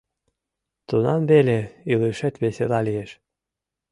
Тунам веле илышет весела лиеш.